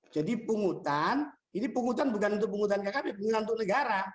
jadi pungutan ini pungutan bukan untuk pungutan kkp bukan untuk negara